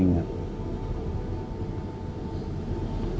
itu tak ada